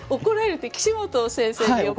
怒られるって岸本先生に。